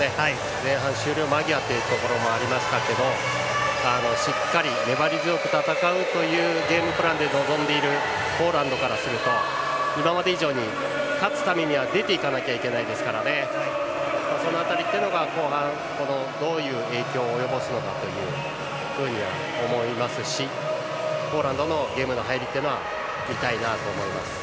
前半終了間際というところもありましたけどしっかり粘り強く戦うゲームプランで臨んでいるポーランドからすると今まで以上に勝つためには出て行かなきゃいけないですからその辺りが後半、どういう影響を及ぼすのかと思いますしポーランドのゲームの入りは見たいなと思います。